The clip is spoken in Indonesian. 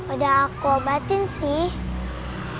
udah aku obatin sih